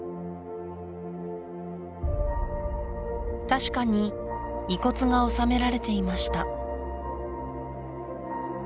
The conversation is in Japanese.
確かに遺骨が納められていました